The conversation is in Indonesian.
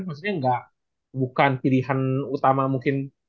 maksudnya bukan pilihan utama mungkin